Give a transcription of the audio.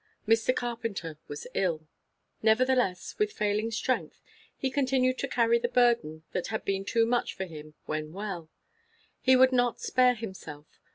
Mr. Carpenter was ill. Nevertheless, with failing strength, he continued to carry the burden that had been too much for him when well. He would not spare himself.